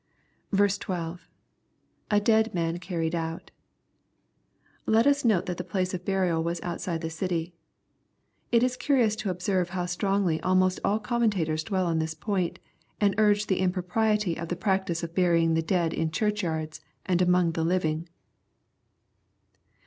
12. — [A dead men carried out.] Let us note that the place of burial was outside the city. It is curious to observe how strongly almost all commentators dwell on this point, and urge the impropriety of the practice of burying the dead in churchyards, and among the living.